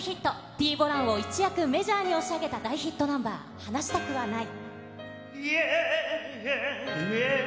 ＴーＢＯＬＡＮを一躍メジャーに押し上げた大ヒットナンバー、離したくはない。